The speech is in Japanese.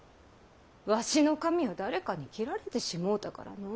わしの髪は誰かに切られてしもうたからのぅ。